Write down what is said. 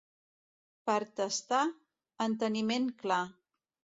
Per testar, enteniment clar.